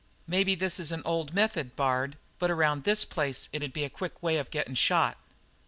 "Maybe this is an old method, Bard; but around this place it'd be a quick way of gettin' shot."